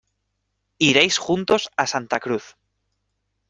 Iréis juntos a Santa Cruz.